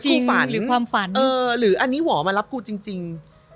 หรือความฝันหรืออันนี้หว่ามันรับกูจริง